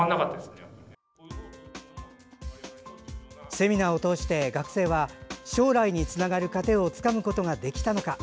セミナーを通して、学生は将来につながる糧をつかむことができたのか。